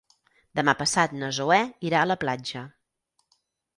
Demà passat na Zoè irà a la platja.